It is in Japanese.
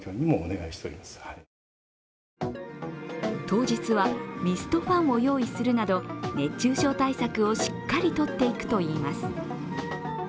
当日は、ミストファンを用意するなど、熱中症対策をしっかりとっていくといいます。